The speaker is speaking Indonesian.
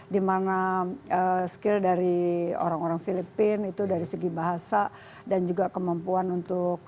dimana skill dari orang orang filipina itu dari segi bahasa dan juga kemampuan untuk